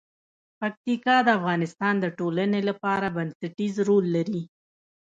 پکتیکا د افغانستان د ټولنې لپاره بنسټيز رول لري.